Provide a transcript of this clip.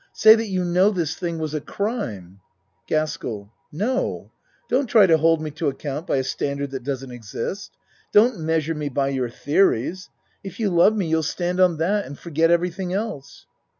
Say that you know this thing was a crime. GASKELL No! Don't try to hold me to account by a standard that doesn't exist. Don't measure me by your theories. If you love me you'll stand on that and forget everything else.